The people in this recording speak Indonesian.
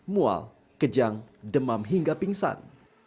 mual kejang demam hingga pingsan